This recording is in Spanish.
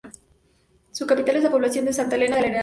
Su capital es la población de Santa Elena de Arenales.